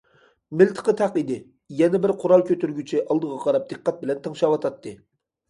مىلتىقى تەق ئىدى، يەنە بىر قورال كۆتۈرگۈچى ئالدىغا قاراپ دىققەت بىلەن تىڭشاۋاتاتتى.